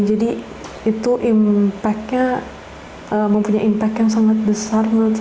jadi itu mempunyai impact yang sangat besar menurut saya